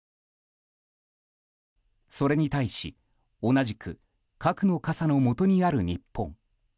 それに対し、同じく核の傘のもとにある日本。